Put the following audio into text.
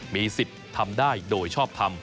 มีสิทธิ์ทำได้โดยชอบทำ